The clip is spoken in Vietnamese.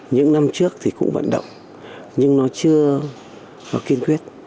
những năm trước thì cũng vận động nhưng nó chưa kiên quyết